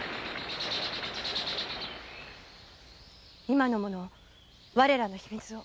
今の者我らの秘密を。